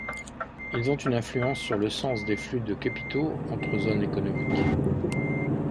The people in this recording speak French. Ils ont une influence sur le sens des flux de capitaux entre zones économiques.